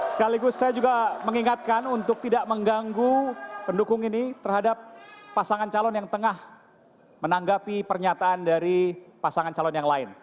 sekaligus saya juga mengingatkan untuk tidak mengganggu pendukung ini terhadap pasangan calon yang tengah menanggapi pernyataan dari pasangan calon yang lain